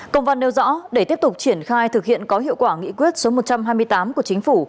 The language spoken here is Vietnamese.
công văn nêu rõ để tiếp tục triển khai thực hiện có hiệu quả nghị quyết số một trăm hai mươi tám của chính phủ